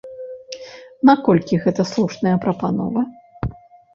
Наколькі гэта слушная прапанова?